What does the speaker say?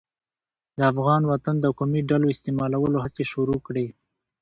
د افغان وطن د قومي ډلو استعمالولو هڅې شروع کړې.